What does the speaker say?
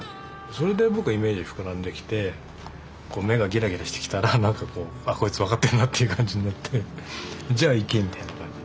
それで僕はイメージ膨らんできて目がギラギラしてきたらなんかこう「こいつ分かってんな」っていう感じになって「じゃあいけ」みたいな感じ。